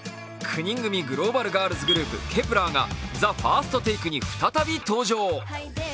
９人組グローバルガールズグループＫｅｐ１ｅｒが「ＴＨＥＦＩＲＳＴＴＡＫＥ」に再び登場。